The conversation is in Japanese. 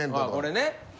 これね。